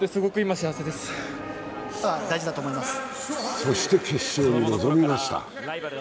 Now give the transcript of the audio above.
そして決勝に臨みました。